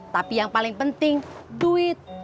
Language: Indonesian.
tapi yang paling penting duit